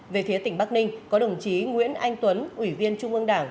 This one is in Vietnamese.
về phía tỉnh bắc ninh có đồng chí nguyễn anh tuấn ủy viên trung ương đảng